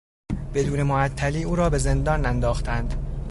بدون معطلی او را به زندان انداختند.